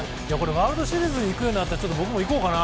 ワールドシリーズに行くようだったら僕も行こうかな。